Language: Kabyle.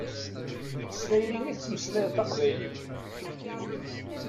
S tayri i tettmeslayeḍ taqbaylit.